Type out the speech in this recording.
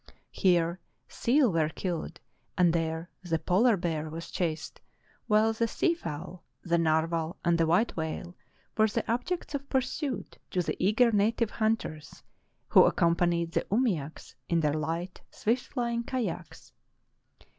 340 True Tales of Arctic Heroism Here seal were killed and there the polar bear was chased, while the sea fowl, the narwhal, and the white whale were the objects of pursuit to the eager native hunters, who accompanied the umiaks in their hght, swift flying kayaks.